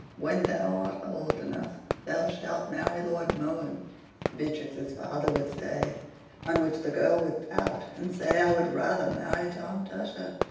"When thou art old enough, thou shalt marry Lord Mohun," Beatrix's father would say: on which the girl would pout and say, "I would rather marry Tom Tusher."